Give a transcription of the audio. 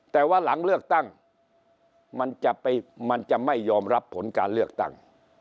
แต่ว่าหลังเลือกตั้งมันจะไม่ยอมรับผลการเลือกตั้ง